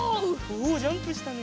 おおジャンプしたね。